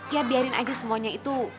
ya biarin aja semuanya itu